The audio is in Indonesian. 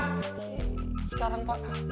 eee sekarang pak